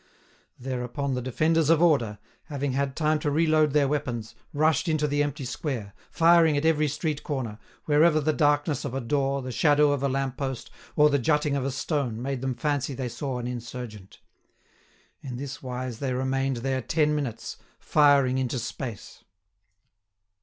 Thereupon the defenders of order, having had time to reload their weapons, rushed into the empty square, firing at every street corner, wherever the darkness of a door, the shadow of a lamp post, or the jutting of a stone made them fancy they saw an insurgent. In this wise they remained there ten minutes, firing into space.